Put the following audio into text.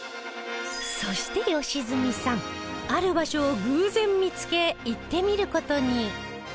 そして良純さんある場所を偶然見つけ行ってみる事に